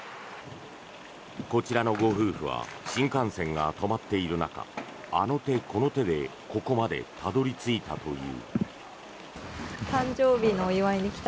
こちらのご夫婦は新幹線が止まっている中あの手この手でここまでたどり着いたという。